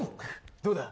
どうだ？